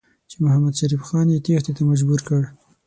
چې محمدشریف خان یې تېښتې ته مجبور کړ.